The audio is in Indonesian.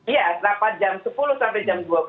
iya rapat jam sepuluh sampai jam dua belas